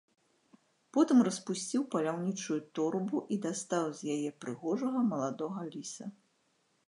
Потым распусціў паляўнічую торбу і дастаў з яе прыгожага маладога ліса.